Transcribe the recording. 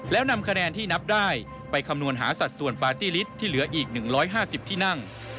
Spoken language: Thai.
แล้วนำคะแนนที่นับได้ไปคำนวณหาสัดส่วนปาร์ตี้ลิตที่เหลืออีก๑๕๐ที่นั่ง